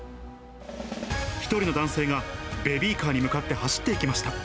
１人の男性がベビーカーに向かって走っていきました。